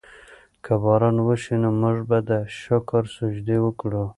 که باران وشي نو موږ به د شکر سجدې وکړو.